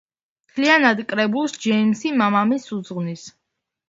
მთლიანად კრებულს ჯეიმსი მამამისს უძღვნის.